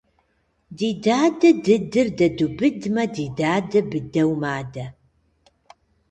Ди дадэ дыдыр дэдубыдмэ, ди дадэ быдэу мадэ.